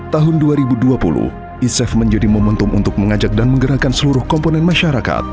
tahun dua ribu dua puluh isef menjadi momentum untuk mengajak dan menggerakkan seluruh komponen masyarakat